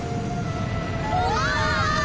うわ。